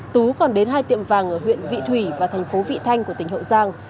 tú còn đến hai tiệm vàng ở huyện vị thủy và thành phố vị thanh của tỉnh hậu giang